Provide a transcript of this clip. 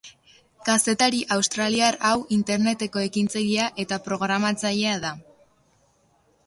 Kazetari australiar hau Interneteko ekintzailea eta programatzailea da.